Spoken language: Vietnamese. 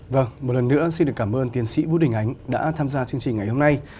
vâng một lần nữa xin được cảm ơn tiến sĩ vũ đình ánh đã tham gia chương trình ngày hôm nay